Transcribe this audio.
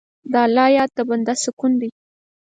د الله یاد د بنده سکون دی.